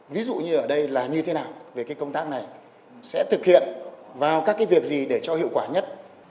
ví dụ như ở đây là như thế nào về cái công tác này sẽ thực hiện vào các cái việc gì để cho hiệu quả nhất